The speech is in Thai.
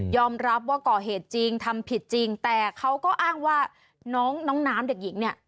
รับว่าก่อเหตุจริงทำผิดจริงแต่เขาก็อ้างว่าน้องน้องน้ำเด็กหญิงเนี่ย